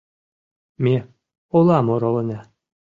Ме олам оролена.